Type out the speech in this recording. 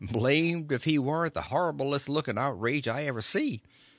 Blamed if he warn't the horriblest looking outrage I ever see.